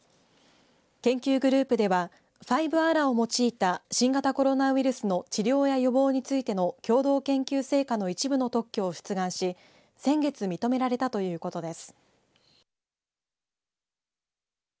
研究グループでは５‐ＡＬＡを用いた新型コロナウイルスの治療や予防についての共同研究成果の一部の特許を出願し先月認められたということです。